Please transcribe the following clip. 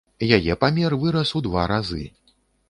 Яе памер вырас у два разы.